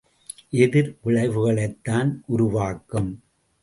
எதிர் விளைவுகளைத்தான் உருவாக்கும்.